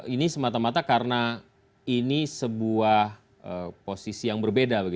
ini semata mata karena ini sebuah posisi yang berbeda